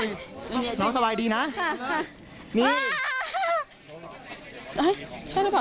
เพื่อนบ้านเจ้าหน้าที่อำรวจกู้ภัย